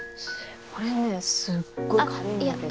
これねすっごい軽いんだけど。